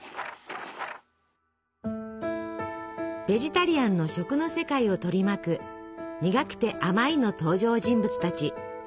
ベジタリアンの食の世界を取り巻く「にがくてあまい」の登場人物たち。